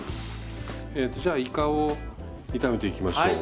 えとじゃあいかを炒めていきましょう。